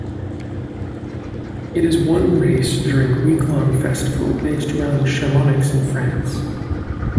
It is one race during a week-long festival based around Chamonix in France.